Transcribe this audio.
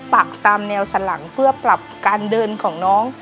ปักตามแนวสันหลังเพื่อปรับการเดินของน้อง